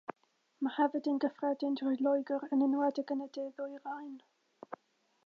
Mae hefyd yn gyffredin drwy Loegr yn enwedig yn y De Ddwyrain.